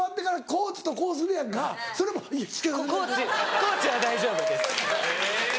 コーチは大丈夫です。